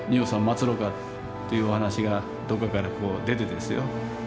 まつろうかっていうお話がどっかから出てですよ